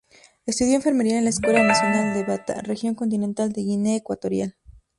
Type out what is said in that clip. Estudió enfermería en la Escuela Nacional de Bata, Región Continental de Guinea Ecuatorial.